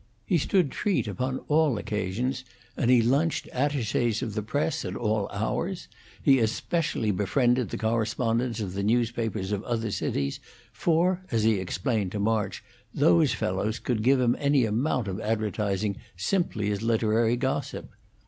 He stood treat upon all occasions, and he lunched attaches of the press at all hours. He especially befriended the correspondents of the newspapers of other cities, for, as he explained to March, those fellows could give him any amount of advertising simply as literary gossip.